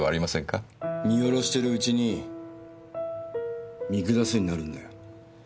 見下ろしてるうちに見下すようになるんだよ。